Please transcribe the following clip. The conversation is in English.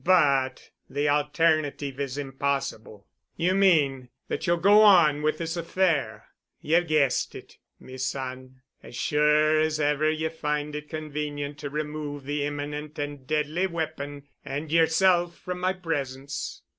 But the alternative is impossible." "You mean, that you'll go on with this affair——" "Ye've guessed it, me son—as sure as ever ye find it convenient to remove the imminent and deadly weapon and yerself from my presence."